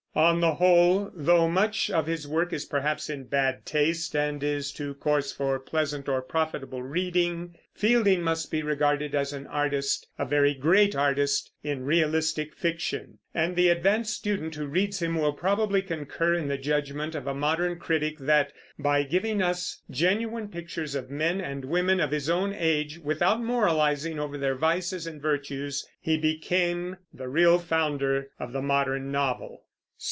On the whole, though much of his work is perhaps in bad taste and is too coarse for pleasant or profitable reading, Fielding must be regarded as an artist, a very great artist, in realistic fiction; and the advanced student who reads him will probably concur in the judgment of a modern critic that, by giving us genuine pictures of men and women of his own age, without moralizing over their vices and virtues, he became the real founder of the modern novel.